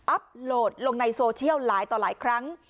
โหลดลงในโซเชียลหลายต่อหลายครั้ง